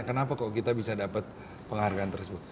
kenapa kok kita bisa dapat penghargaan tersebut